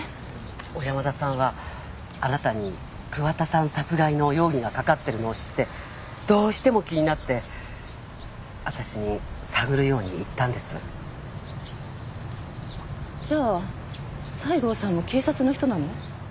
小山田さんはあなたに桑田さん殺害の容疑がかかってるのを知ってどうしても気になって私に探るように言ったんですじゃあ西郷さんも警察の人なの？